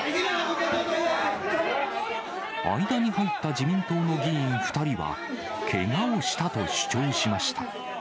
間に入った自民党の議員２人は、けがをしたと主張しました。